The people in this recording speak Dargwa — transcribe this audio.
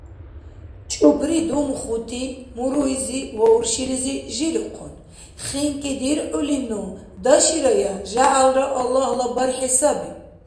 ЧӀупри думхути муруйзи ва уршилизи жирухъун: – ХинкӀи диргӀулину, даширая! ЖягӀялра Аллагьла бархӀи саби!